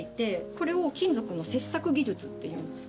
これを金属の切削技術っていうんです。